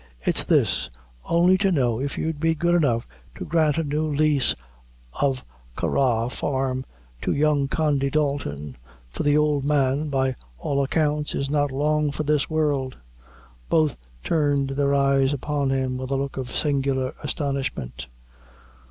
It's this: only to know if you'd be good enough to grant a new lease of Cargah Farm to young Condy Dalton; for the ould man, by all accounts, is not long for this world." Both turned their eyes upon him with a look of singular astonishment.